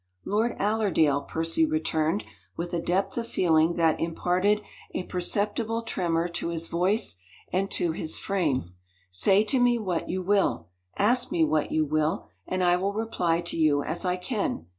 "Lord Allerdale," Percy returned, with a depth of feeling that imparted a perceptible tremor to his voice and to his frame, "say to me what you will ask me what you will and I will reply to you as I can.